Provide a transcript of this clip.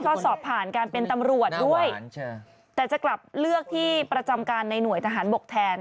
ก็สอบผ่านการเป็นตำรวจด้วยแต่จะกลับเลือกที่ประจำการในหน่วยทหารบกแทน